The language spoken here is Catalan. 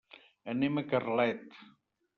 Anem a Carlet.